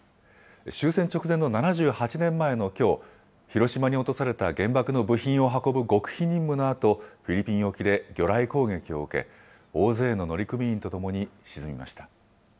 終戦直前の７８年前のきょう、広島に落とされた原爆の部品を運ぶ極秘任務のあと、フィリピン沖で魚雷攻撃を受け、大勢の乗組員とともに沈みました。